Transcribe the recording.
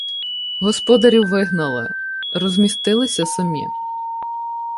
Господарів вигнали, розмістилися самі.